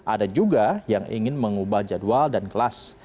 ada juga yang ingin mengubah jadwal dan kelas